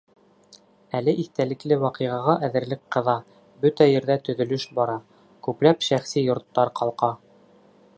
Әле иҫтәлекле ваҡиғаға әҙерлек ҡыҙа, бөтә ерҙә төҙөлөш бара, күпләп шәхси йорттар ҡалҡа.